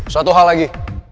satu hal lagi